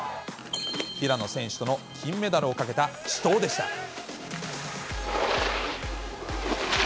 平野選手との金メダルをかけた死闘でした。